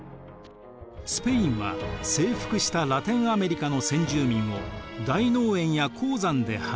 スペインは征服したラテンアメリカの先住民を大農園や鉱山で働かせました。